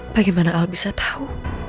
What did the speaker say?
bagaimana al bisa tahu